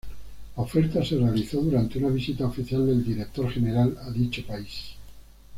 La oferta se realizó durante una visita oficial del Director General a dicho país.